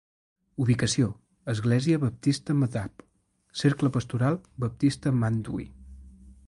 Ubicació: Església Baptista Madhab, Cercle Pastoral Baptista Mandwi.